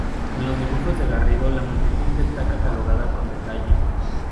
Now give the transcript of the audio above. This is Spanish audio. En los dibujos de Garrido la multitud está catalogada con detalle.